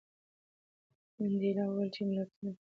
منډېلا وویل چې ملتونه په نفرت نه بلکې په زغم جوړېږي.